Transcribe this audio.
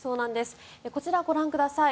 こちら、ご覧ください。